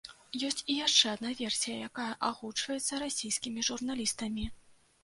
Ёсць і яшчэ адна версія, якая агучваецца расійскімі журналістамі.